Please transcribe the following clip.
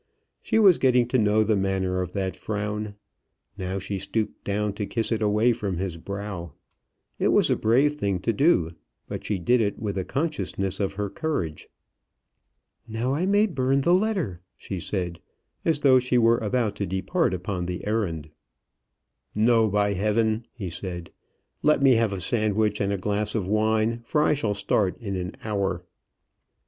She was getting to know the manner of that frown. Now she stooped down to kiss it away from his brow. It was a brave thing to do; but she did it with a consciousness of her courage. "Now I may burn the letter," she said, as though she were about to depart upon the errand. "No, by heaven!" he said. "Let me have a sandwich and a glass of wine, for I shall start in an hour."